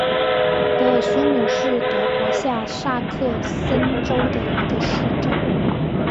德尔苏姆是德国下萨克森州的一个市镇。